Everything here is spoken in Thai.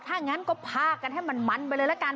ถ้างั้นก็พากันให้มันไปเลยละกัน